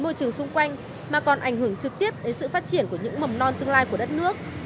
phát triển của những mầm non tương lai của đất nước